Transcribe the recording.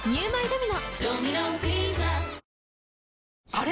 あれ？